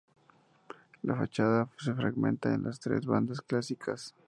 La fachada se fragmenta en las tres bandas clásicas.